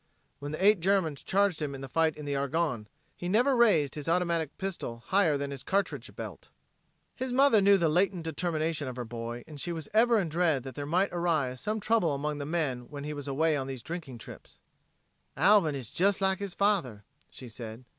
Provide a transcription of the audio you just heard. When the eight Germans charged him in the fight in the Argonne, he never raised his automatic pistol higher than his cartridge belt. His mother knew the latent determination of her boy and she was ever in dread that there might arise some trouble among the men when he was away on these drinking trips. "Alvin is jes like his father," she said.